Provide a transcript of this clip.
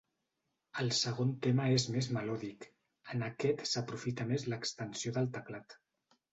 El segon tema és més melòdic; en aquest s'aprofita més l'extensió del teclat.